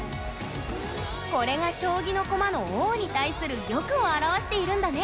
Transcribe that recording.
これが将棋の駒の王に対する玉を表しているんだね！